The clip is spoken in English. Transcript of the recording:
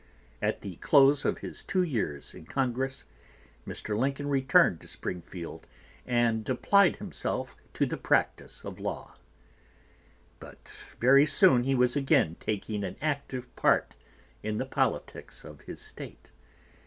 At the close of his two years in Congress, Mr. Lincoln returned to Springfield and applied himself to the practice of law. But very soon he was again taking an active part in the politics of his State.